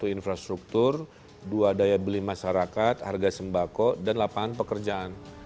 satu infrastruktur dua daya beli masyarakat harga sembako dan lapangan pekerjaan